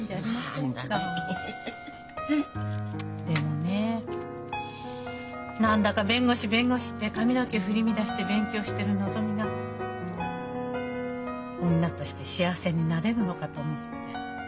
でもね何だか弁護士弁護士って髪の毛振り乱して勉強してるのぞみが女として幸せになれるのかと思って。